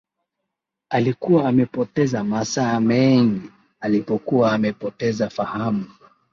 Alikuwa amepoteza masaa meengi alipokuwa amepoteza fahamu